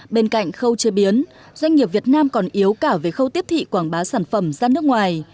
bên cạnh khâu chế biến doanh nghiệp việt nam còn yếu cả về khâu tiếp thị quảng bá sản phẩm ra nước ngoài